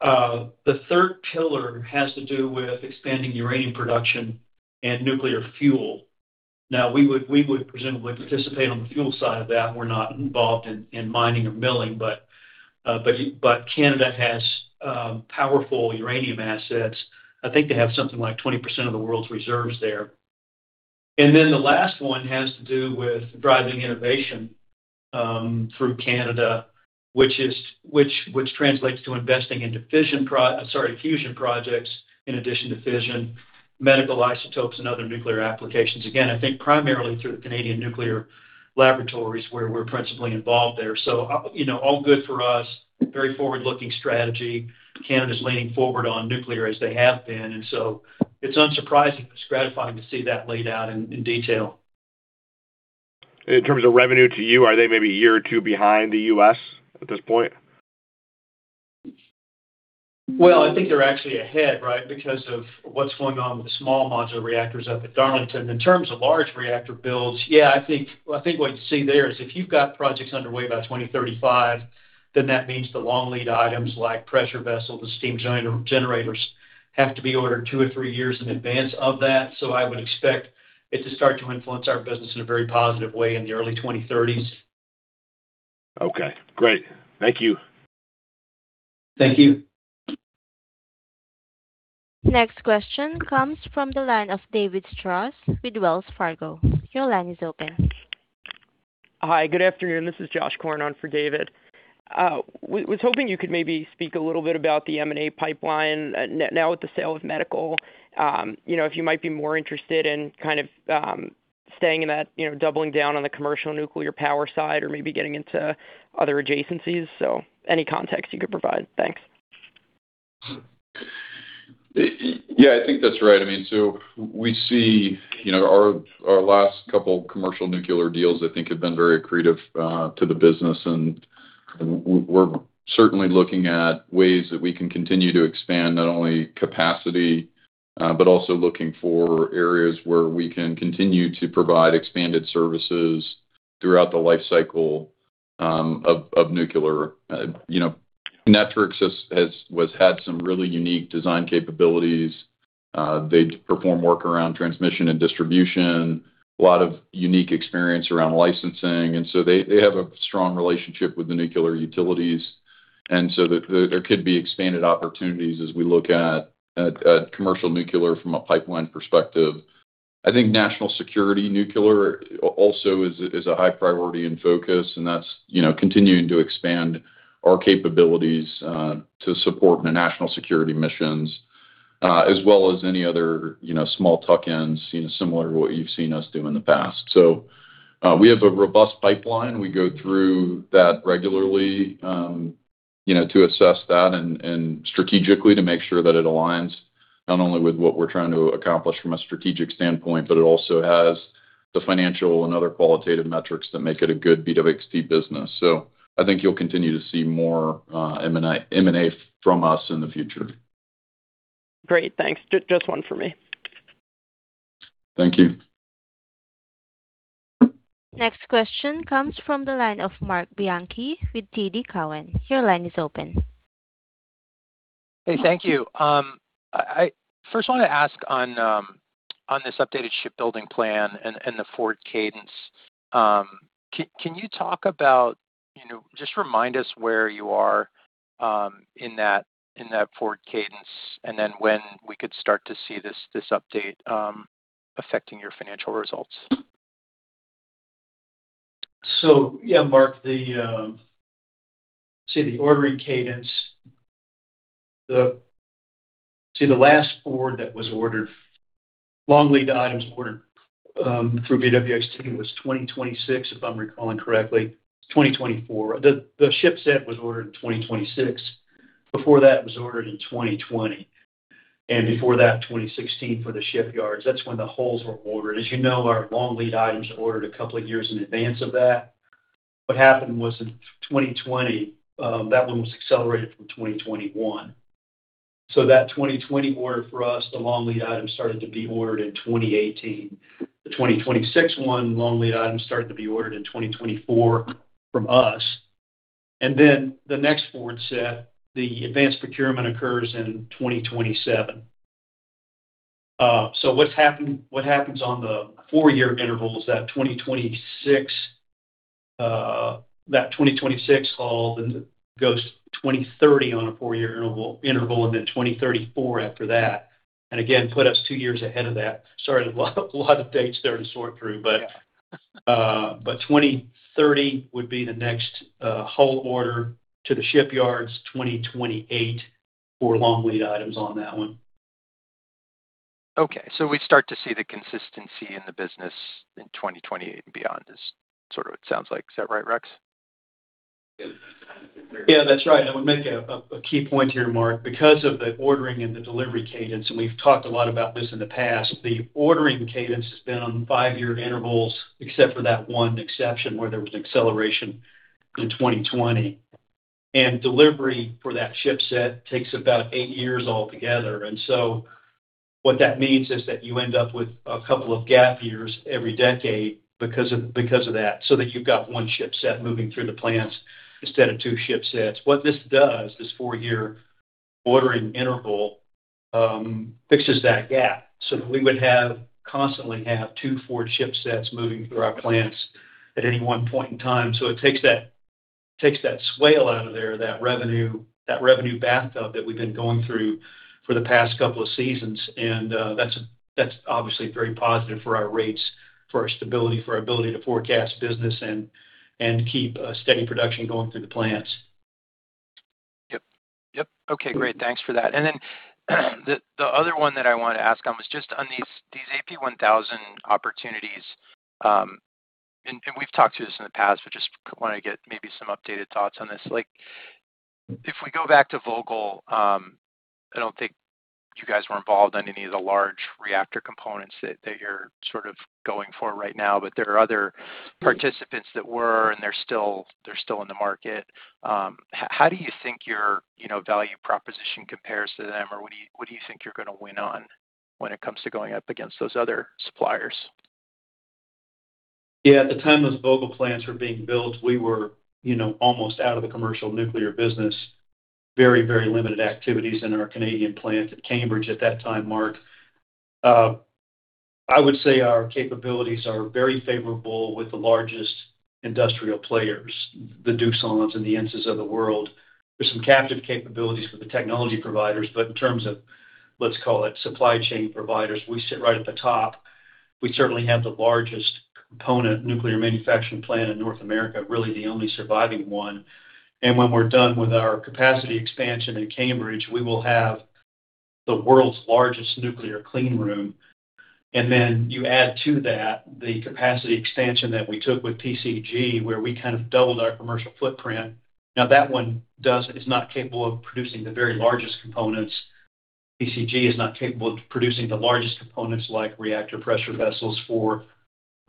The third pillar has to do with expanding uranium production and nuclear fuel. We would presumably participate on the fuel side of that. We're not involved in mining or milling, but Canada has powerful uranium assets. I think they have something like 20% of the world's reserves there. The last one has to do with driving innovation through Canada, which translates to investing in fusion projects in addition to fission, medical isotopes, and other nuclear applications. Again, I think primarily through the Canadian Nuclear Laboratories where we're principally involved there. All good for us, very forward-looking strategy. Canada's leaning forward on nuclear as they have been, it's unsurprising, but it's gratifying to see that laid out in detail. In terms of revenue to you, are they maybe a year or two behind the U.S. at this point? I think they're actually ahead, right? Because of what's going on with the small modular reactors up at Darlington. In terms of large reactor builds, I think what you see there is if you've got projects underway by 2035, that means the long lead items like pressure vessel, the steam generators have to be ordered two or three years in advance of that. I would expect it to start to influence our business in a very positive way in the early 2030s. Okay, great. Thank you. Thank you. Next question comes from the line of David Strauss with Wells Fargo. Your line is open. Hi, good afternoon. This is Josh Korn on for David. Was hoping you could maybe speak a little bit about the M&A pipeline now with the sale of Medical. If you might be more interested in kind of staying in that, doubling down on the commercial nuclear power side or maybe getting into other adjacencies. Any context you could provide. Thanks. Yeah, I think that's right. We see our last couple commercial nuclear deals, I think, have been very accretive to the business, and we're certainly looking at ways that we can continue to expand not only capacity, but also looking for areas where we can continue to provide expanded services throughout the life cycle of nuclear. Kinectrics has had some really unique design capabilities. They perform work around transmission and distribution, a lot of unique experience around licensing, and they have a strong relationship with the nuclear utilities, and there could be expanded opportunities as we look at commercial nuclear from a pipeline perspective. I think national security nuclear also is a high priority and focus, and that's continuing to expand our capabilities to support the national security missions, as well as any other small tuck-ins similar to what you've seen us do in the past. We have a robust pipeline. We go through that regularly to assess that and strategically to make sure that it aligns not only with what we're trying to accomplish from a strategic standpoint, but it also has the financial and other qualitative metrics that make it a good BWXT business. I think you'll continue to see more M&A from us in the future. Great. Thanks. Just one for me. Thank you. Next question comes from the line of Marc Bianchi with TD Cowen. Your line is open. Hey, thank you. I first want to ask on this updated shipbuilding plan and the forward cadence. Just remind us where you are in that forward cadence, and then when we could start to see this update affecting your financial results. Yeah, Marc, the ordering cadence, the last forward that was ordered, long lead items ordered through BWXT was 2026, if I'm recalling correctly, 2024. The ship set was ordered in 2026. Before that, it was ordered in 2020. Before that, 2016 for the shipyards. That's when the hulls were ordered. As you know, our long lead items are ordered a couple of years in advance of that. What happened was in 2020, that one was accelerated from 2021. That 2020 order for us, the long lead item started to be ordered in 2018. The 2026 one, long lead item started to be ordered in 2024 from us. Then the next forward set, the advanced procurement occurs in 2027. What happens on the four-year interval is that 2026 hull then goes 2030 on a four-year interval, and then 2034 after that. Again, put us two years ahead of that. Sorry, a lot of dates there to sort through, 2030 would be the next hull order to the shipyards, 2028 for long lead items on that one. Okay. We start to see the consistency in the business in 2028 and beyond is sort of what it sounds like. Is that right, Rex? Yeah, that's right. I would make a key point here, Marc, because of the ordering and the delivery cadence, and we've talked a lot about this in the past, the ordering cadence has been on five-year intervals, except for that one exception where there was an acceleration in 2020. Delivery for that ship set takes about eight years altogether. What that means is that you end up with a couple of gap years every decade because of that, so that you've got one ship set moving through the plants instead of two ship sets. What this does, this four-year ordering interval, fixes that gap, so that we would constantly have two Ford ship sets moving through our plants at any one point in time. It takes that swale out of there, that revenue bathtub that we've been going through for the past couple of seasons, and that's obviously very positive for our rates, for our stability, for our ability to forecast business, and keep a steady production going through the plants. Yep. Okay, great. Thanks for that. The other one that I wanted to ask on was just on these AP1000 opportunities. We've talked through this in the past, but just wanted to get maybe some updated thoughts on this. If we go back to Vogtle, I don't think you guys were involved in any of the large reactor components that you're sort of going for right now, but there are other participants that were, and they're still in the market. How do you think your value proposition compares to them, or what do you think you're going to win on when it comes to going up against those other suppliers? Yeah. At the time those Vogtle plants were being built, we were almost out of the commercial nuclear business. Very limited activities in our Canadian plant at Cambridge at that time, Marc. I would say our capabilities are very favorable with the largest industrial players, the Doosan and the ENSAs of the world. There's some captive capabilities for the technology providers, but in terms of, let's call it supply chain providers, we sit right at the top. We certainly have the largest component nuclear manufacturing plant in North America, really the only surviving one. When we're done with our capacity expansion in Cambridge, we will have the world's largest nuclear clean room. Then you add to that the capacity expansion that we took with PCG, where we kind of doubled our commercial footprint. Now that one is not capable of producing the very largest components. PCG is not capable of producing the largest components like reactor pressure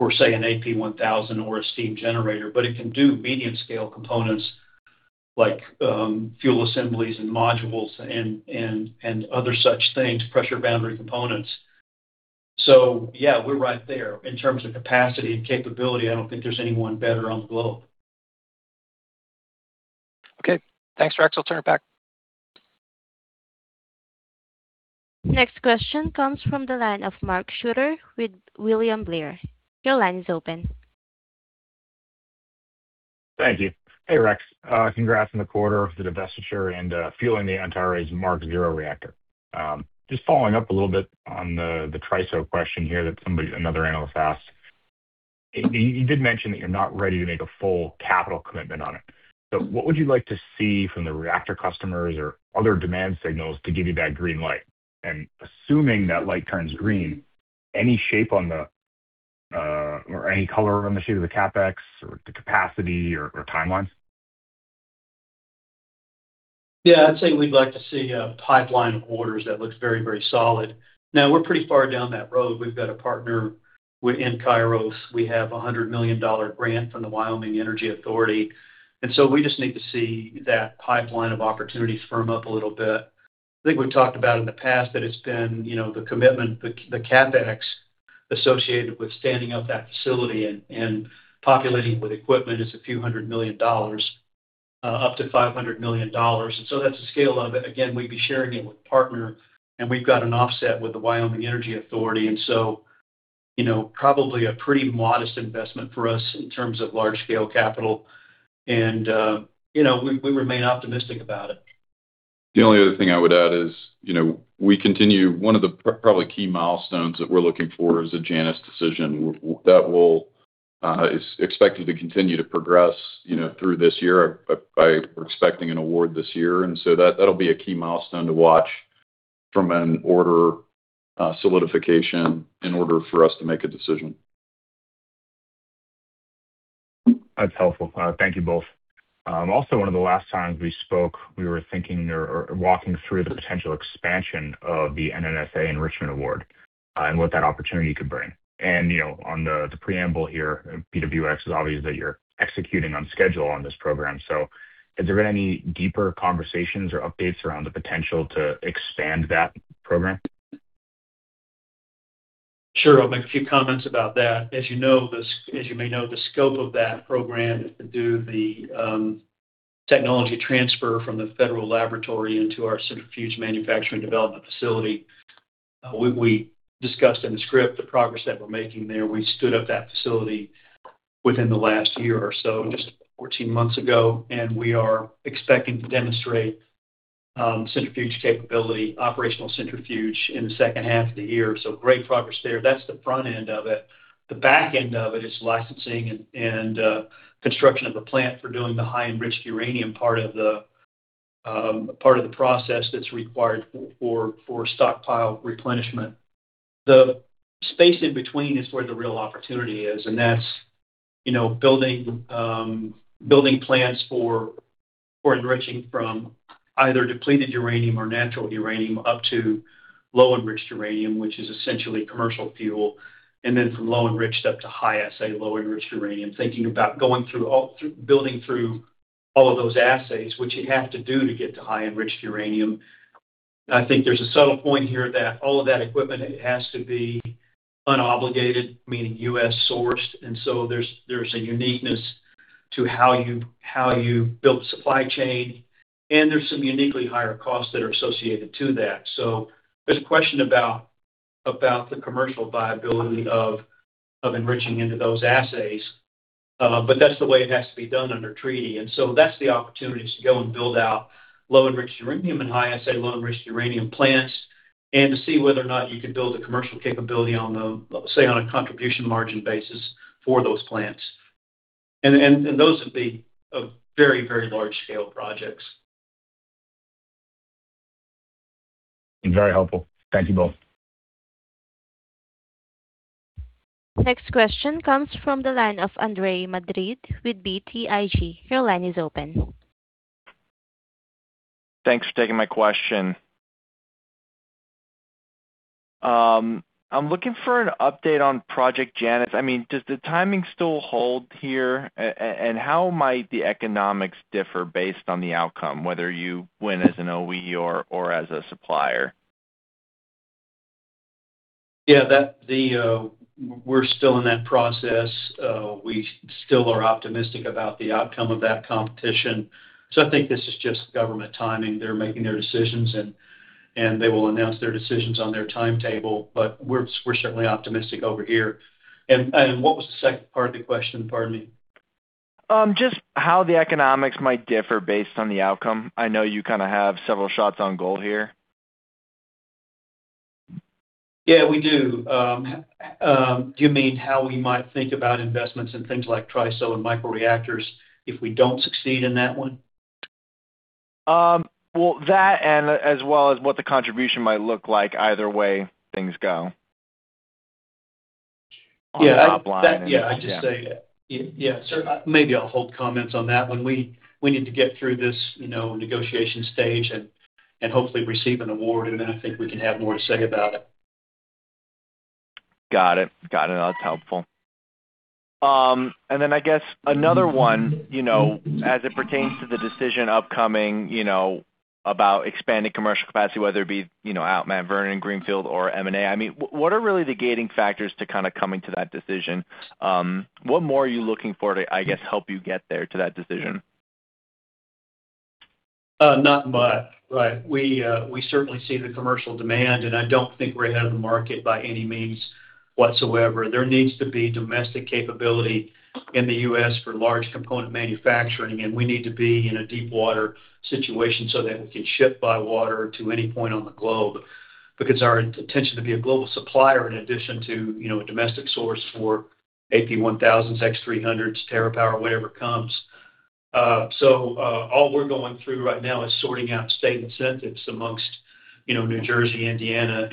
vessels for, say, an AP1000 or a steam generator. It can do medium scale components like fuel assemblies and modules and other such things, pressure boundary components. Yeah, we're right there. In terms of capacity and capability, I don't think there's anyone better on the globe. Okay. Thanks, Rex. I'll turn it back. Next question comes from the line of Mark Shooter with William Blair. Your line is open. Thank you. Hey, Rex. Congrats on the quarter, the divestiture, and fueling the Antares Mark-0 reactor. Following up a little bit on the TRISO question here that another analyst asked. You did mention that you're not ready to make a full capital commitment on it, what would you like to see from the reactor customers or other demand signals to give you that green light? Assuming that light turns green, any shape on the, or any color on the shade of the CapEx or the capacity or timelines? Yeah. I'd say we'd like to see a pipeline of orders that looks very solid. We're pretty far down that road. We've got a partner in Kairos. We have a $100 million grant from the Wyoming Energy Authority, we just need to see that pipeline of opportunities firm up a little bit. I think we've talked about in the past that it's been the commitment, the CapEx associated with standing up that facility and populating it with equipment is a few hundred million dollars, up to $500 million. That's the scale of it. Again, we'd be sharing it with a partner, we've got an offset with the Wyoming Energy Authority, probably a pretty modest investment for us in terms of large scale capital. We remain optimistic about it. The only other thing I would add is, one of the probably key milestones that we're looking for is a Janus decision. That is expected to continue to progress through this year. We're expecting an award this year, that'll be a key milestone to watch from an order solidification in order for us to make a decision. That's helpful. Thank you both. Also, one of the last times we spoke, we were thinking or walking through the potential expansion of the NNSA enrichment award and what that opportunity could bring. On the preamble here, BWX is obvious that you're executing on schedule on this program. Is there any deeper conversations or updates around the potential to expand that program? Sure. I'll make a few comments about that. As you may know, the scope of that program is to do the technology transfer from the federal laboratory into our centrifuge manufacturing development facility. We discussed in the script the progress that we're making there. We stood up that facility within the last year or so, just 14 months ago, and we are expecting to demonstrate centrifuge capability, operational centrifuge in the second half of the year. Great progress there. That's the front end of it. The back end of it is licensing and construction of a plant for doing the high enriched uranium part of the process that's required for stockpile replenishment. The space in between is where the real opportunity is, that's building plants for enriching from either depleted uranium or natural uranium up to low enriched uranium, which is essentially commercial fuel, and then from low enriched up to High-Assay Low-Enriched Uranium. Thinking about building through all of those assays, which you have to do to get to high enriched uranium. I think there's a subtle point here that all of that equipment has to be unobligated, meaning U.S.-sourced. There's a uniqueness to how you build supply chain, and there's some uniquely higher costs that are associated to that. There's a question about the commercial viability of enriching into those assays. That's the way it has to be done under treaty. That's the opportunity to go and build out low enriched uranium and High-Assay Low-Enriched Uranium plants, and to see whether or not you can build a commercial capability on the, let's say, on a contribution margin basis for those plants. Those would be a very large-scale projects. Very helpful. Thank you both. Next question comes from the line of Andre Madrid with BTIG. Your line is open. Thanks for taking my question. I'm looking for an update on Project Janus. Does the timing still hold here? How might the economics differ based on the outcome, whether you win as an OE or as a supplier? Yeah. We're still in that process. We still are optimistic about the outcome of that competition. I think this is just government timing. They're making their decisions, and they will announce their decisions on their timetable, but we're certainly optimistic over here. What was the second part of the question? Pardon me. Just how the economics might differ based on the outcome. I know you kind of have several shots on goal here. Yeah, we do. Do you mean how we might think about investments in things like TRISO and micro-reactors if we don't succeed in that one? Well, that, and as well as what the contribution might look like either way things go. Yeah. On the top line and yeah. Yeah. Maybe I'll hold comments on that one. We need to get through this negotiation stage and hopefully receive an award, and then I think we can have more to say about it. Got it. That's helpful. I guess another one, as it pertains to the decision upcoming about expanding commercial capacity, whether it be out in Mount Vernon, Greenfield or M&A. What are really the gating factors to kind of coming to that decision? What more are you looking for to, I guess, help you get there to that decision? Not much. We certainly see the commercial demand. I don't think we're ahead of the market by any means whatsoever. There needs to be domestic capability in the U.S. for large component manufacturing. We need to be in a deep water situation so that we can ship by water to any point on the globe because our intention to be a global supplier in addition to a domestic source for AP1000, X-300, TerraPower, whatever comes. All we're going through right now is sorting out state incentives amongst New Jersey, Indiana,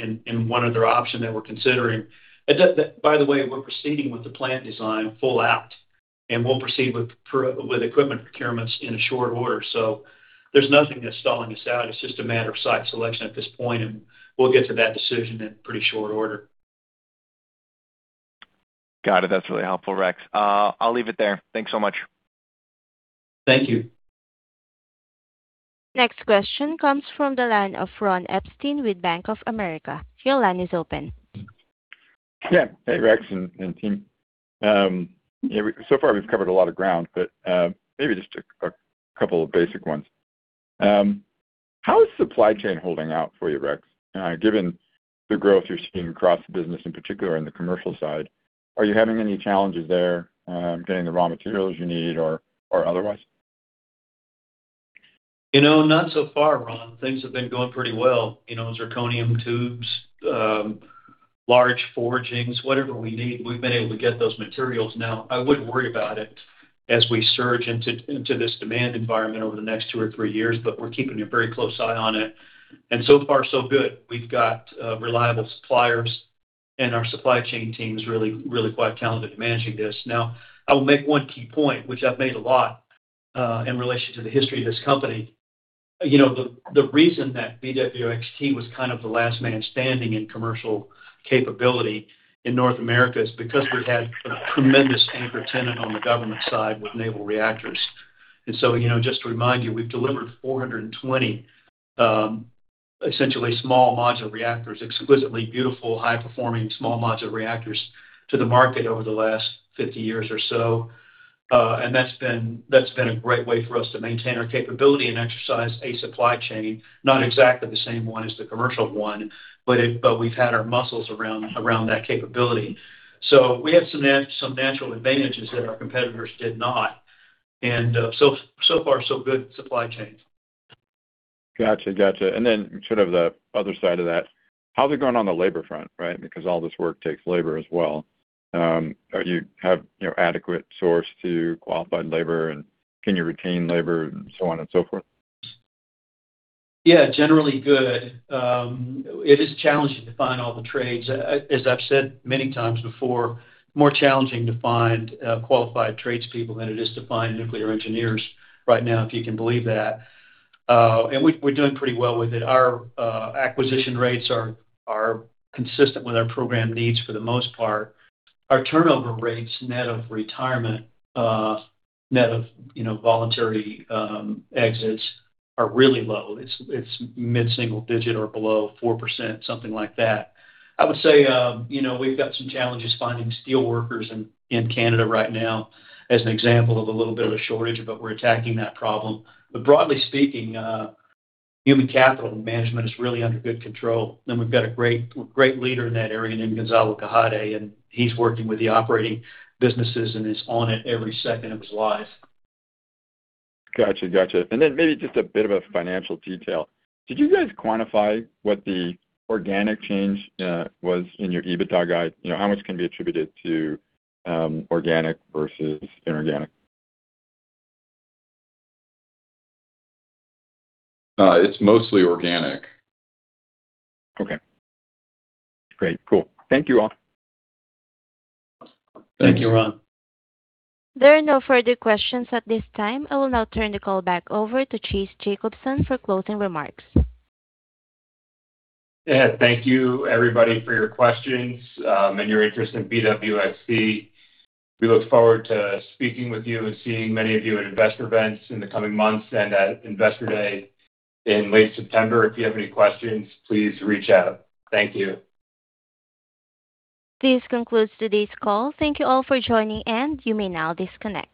one other option that we're considering. By the way, we're proceeding with the plant design full out. We'll proceed with equipment procurements in a short order. There's nothing that's stalling us out. It's just a matter of site selection at this point. We'll get to that decision in pretty short order. Got it. That's really helpful, Rex. I'll leave it there. Thanks so much. Thank you. Next question comes from the line of Ron Epstein with Bank of America. Your line is open. Yeah. Hey, Rex and team. Far we've covered a lot of ground, but maybe just a couple of basic ones. How is supply chain holding out for you, Rex? Given the growth you're seeing across the business, in particular in the commercial side, are you having any challenges there? Getting the raw materials you need or otherwise? Not so far, Ron. Things have been going pretty well. Zirconium tubes, large forgings, whatever we need, we've been able to get those materials. Now, I would worry about it as we surge into this demand environment over the next two or three years, but we're keeping a very close eye on it, so far so good. We've got reliable suppliers, our supply chain team is really quite talented at managing this. Now, I will make one key point, which I've made a lot, in relation to the history of this company. The reason that BWXT was kind of the last man standing in commercial capability in North America is because we had a tremendous anchor tenant on the government side with naval reactors. Just to remind you, we've delivered 420, essentially small modular reactors, exquisitely beautiful, high-performing small modular reactors, to the market over the last 50 years or so. That's been a great way for us to maintain our capability and exercise a supply chain, not exactly the same one as the commercial one, but we've had our muscles around that capability. We have some natural advantages that our competitors did not. So far so good supply chain. Got you. Sort of the other side of that, how's it going on the labor front, right? Because all this work takes labor as well. Do you have adequate source to qualified labor, and can you retain labor and so on and so forth? Yeah, generally good. It is challenging to find all the trades. As I've said many times before, more challenging to find qualified trades people than it is to find nuclear engineers right now, if you can believe that. We're doing pretty well with it. Our acquisition rates are consistent with our program needs for the most part. Our turnover rates, net of retirement, net of voluntary exits, are really low. It's mid-single digit or below 4%, something like that. I would say we've got some challenges finding steel workers in Canada right now, as an example of a little bit of a shortage, but we're attacking that problem. Broadly speaking, human capital management is really under good control. We've got a great leader in that area named Gonzalo Cajade, and he's working with the operating businesses and is on it every second of his life. Got you. Maybe just a bit of a financial detail. Did you guys quantify what the organic change was in your EBITDA guide? How much can be attributed to organic versus inorganic? It's mostly organic. Okay. Great. Cool. Thank you all. Thank you, Ron. There are no further questions at this time. I will now turn the call back over to Chase Jacobson for closing remarks. Thank you everybody for your questions, and your interest in BWXT. We look forward to speaking with you and seeing many of you at investor events in the coming months and at Investor Day in late September. If you have any questions, please reach out. Thank you. This concludes today's call. Thank you all for joining and you may now disconnect.